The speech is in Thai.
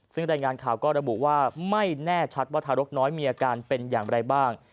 ซึ่งรายงานข่าวก็ระบุว่าไม่แน่ชัดว่าทารกน้อยมีอาการเป็นอย่างไรบ้าง